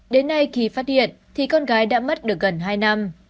đến nay khi phát hiện thì con gái đã mất được gần hai năm